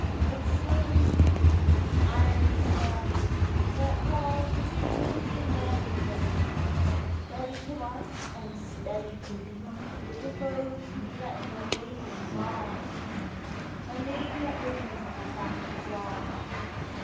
And silver sweet, and iron strong, That calls three million men to their feet, Ready to march, and steady to meet The foes who threaten that name with wrong, A name that rings like a battle song.